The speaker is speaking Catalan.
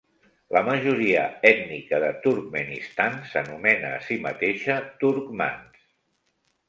La majoria ètnica de Turkmenistan s'anomena a si mateixa turcmans.